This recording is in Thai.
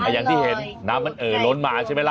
อย่างที่เห็นน้ำมันเอ่อล้นมาใช่ไหมล่ะ